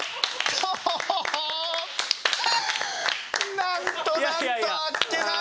なんとなんとあっけない！